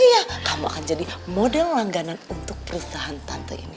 iya kamu akan jadi model langganan untuk perusahaan tante ini